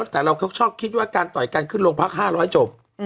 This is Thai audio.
แต่เราก็ชอบคิดว่าการต่อยกันขึ้นโรงพัก๕๐๐จบ